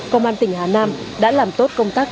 công an tỉnh hà nam đã làm tốt công tác